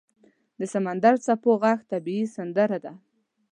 • د سمندر څپو ږغ طبیعي سندره ده.